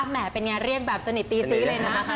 แหมะเป็นยังงั้ยเรียกแหละสนิทรีสิเลยนะ